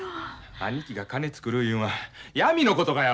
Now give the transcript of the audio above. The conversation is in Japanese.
兄貴が金作るいうんはやみのことかよ！